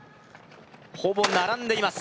ほぼ並んでいます